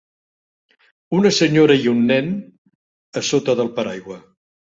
Una senyora i un nen a sota del paraigua.